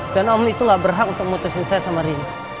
dan om itu nggak berhak untuk memutuskan saya sama riri